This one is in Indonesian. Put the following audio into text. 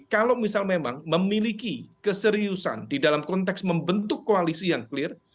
kalau misal memang memiliki keseriusan di dalam konteks membentuk koalisi yang clear